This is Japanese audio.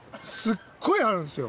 すごいあるんですよ。